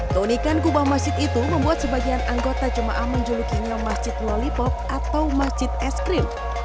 keunikan kubah masjid itu membuat sebagian anggota cema'a menjulukinya masjid lollipop atau masjid eskrim